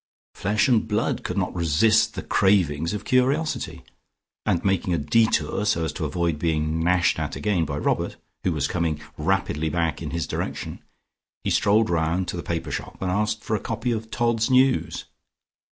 Flesh and blood could not resist the cravings of curiosity, and making a detour, so as to avoid being gnashed at again by Robert, who was coming rapidly back in his direction, he strolled round to the paper shop and asked for a copy of "Todd's News."